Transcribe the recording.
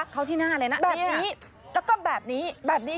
เข้าที่หน้าแบบนี้